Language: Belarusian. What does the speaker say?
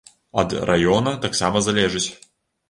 Ад раёна таксама залежыць.